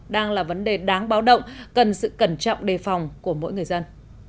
đang là vấn đề đáng báo động cần sự cẩn trọng đề phòng của mỗi người dân